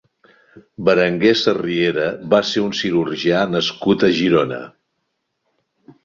Berenguer Sarriera va ser un cirurgià nascut a Girona.